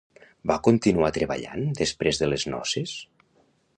Va continuar treballant després de les noces?